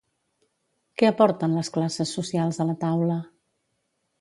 Què aporten les classes socials a la taula ?